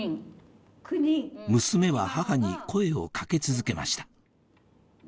娘は母に声を掛け続けました